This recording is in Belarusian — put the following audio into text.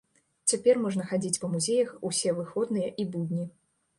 Цяпер можна хадзіць па музеях усе выходныя і будні.